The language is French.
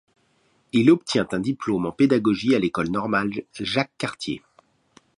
Il obtient un diplôme en pédagogie à l'école normale Jacques-Cartier.